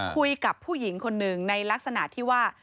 คุยกับผู้หญิงคนหนึ่งในลักษณะที่ว่า